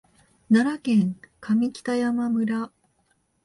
奈良県上北山村